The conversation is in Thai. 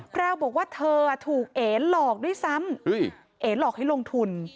แพรวบอกว่าเธอถูกเอ๋หลอกด้วยซ้ำเอ๋หลอกให้ลงทุน